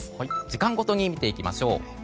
時間ごとに見ていきます。